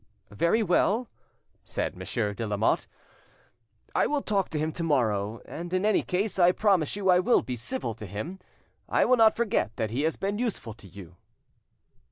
"Very well," said Monsieur de Lamotte, "I will talk to him to morrow, and in any case I promise you I will be civil to him. I will not forget that he has been useful to you."